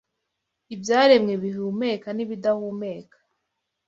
Ibyaremwe bihumeka n’ibidahumeka